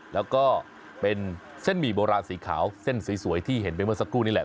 แล้วก็เป็นเส้นหมี่โบราณสีขาวเส้นสวยที่เห็นไปเมื่อสักครู่นี่แหละ